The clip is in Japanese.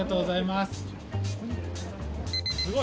すごい！